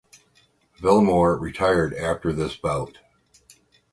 Villamor retired after this bout.